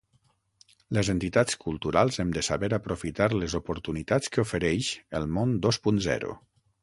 Les entitats culturals hem de saber aprofitar les oportunitats que ofereix el món dos punt zero.